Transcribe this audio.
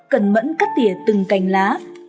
cẩn mẫn cắt tỉa từng cành lá